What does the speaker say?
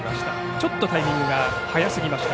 ちょっとタイミングが早すぎました。